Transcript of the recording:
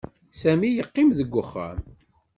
Sami yeqqim deg uxxam.